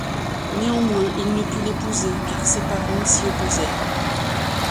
Néanmoins il ne put l'épouser car ses parents s'y opposèrent.